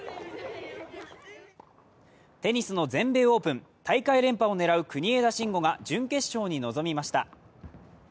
テニスの全米オープン、大会連覇を狙う国枝慎吾が準決勝に臨みました。